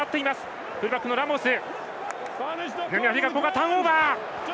ターンオーバー！